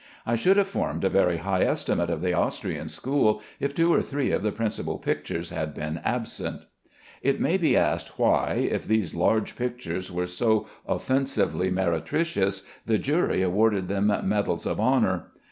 I should have formed a very high estimate of the Austrian school if two or three of the principle pictures had been absent. It may be asked why, if these large pictures were so offensively meretricious, the jury awarded them medals of honor?